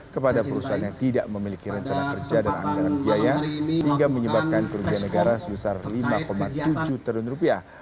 kepada perusahaan yang tidak memiliki rencana kerja dan anggaran biaya sehingga menyebabkan kerugian negara sebesar lima tujuh triliun rupiah